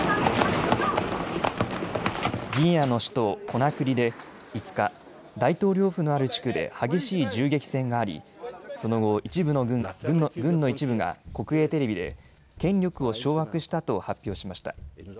ギニアの首都コナクリで５日、大統領府のある地区で激しい銃撃戦がありその後、軍の一部が国営テレビで権力を掌握したと発表しました。